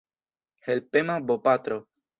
Helpema bopatro.